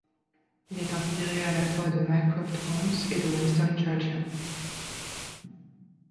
Il est inspiré à la fois de Mycroft Holmes et de Winston Churchill.